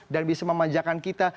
dan bisa memanjakan kita